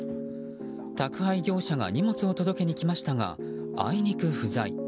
宅配業者が荷物を届けに来ましたが、あいにく不在。